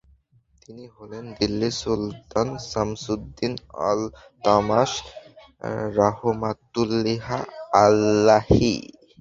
তিনি হলেন দিল্লির সুলতান শামসুদ্দিন আল-তামাশ রাহমাতুল্লাহি আলাইহি।